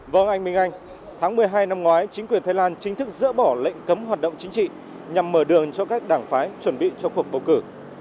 vào ngày minh anh tháng một mươi hai năm ngoái chính quyền thái lan chính thức dỡ bỏ lệnh cấm hoạt động chính trị nhằm mở đường cho các đảng phái chuẩn bị cho cuộc bầu cử